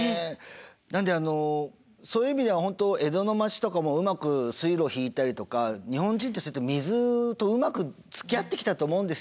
なのでそういう意味では本当江戸の町とかもうまく水路を引いたりとか日本人ってそうやって水とうまくつきあってきたと思うんですよ。